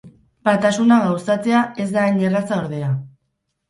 Batasuna gauzatzea ez da hain erraza, ordea.